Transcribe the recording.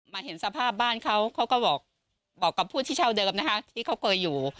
เห็นสภาพบ้านเขาเขาก็บอกกับผู้ที่เช่าเดิมนะคะที่เขาเคยอยู่